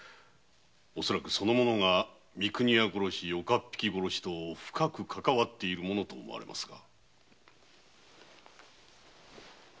恐らくその者が三国屋殺し岡っ引き殺しと深くかかわっているものと思われますが。